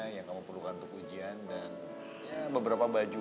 yang kamu perlukan untuk ujian dan beberapa baju